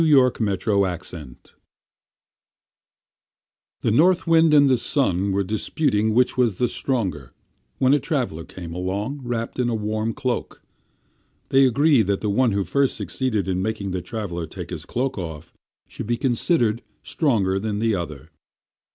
Orthographic version The North Wind and the Sun were disputing which was the stronger, when a traveler came along wrapped in a warm cloak. They agreed that the one who first succeeded in making the traveler take his cloak off should be considered stronger than the other.